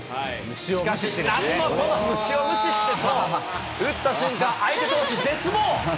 しかし、なんとその虫を無視してそう、打った瞬間、相手投手絶望。